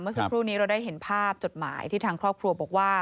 สักครู่นี้เราได้เห็นภาพจดหมายที่ทางครอบครัวบอกว่า